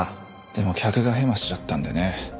でも客がヘマしちゃったんでね。